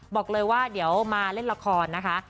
บอกเลยว่าเดี๋ยวมาเล่นละครนะคะ